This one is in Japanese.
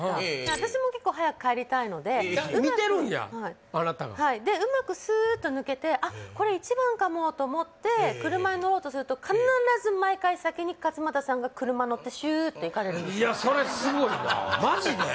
私も結構早く帰りたいので見てるんやあなたがうまくすーっと抜けてこれ１番かもと思って車に乗ろうとすると必ず毎回先に勝俣さんが車乗ってシューって行かれるんですそれすごいなマジで？